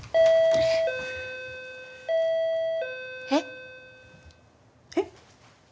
えっ？えっ？